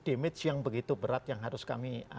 damage yang begitu berat yang harus kami